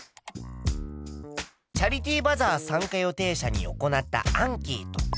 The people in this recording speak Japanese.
チャリティーバザー参加予定者に行ったアンケート。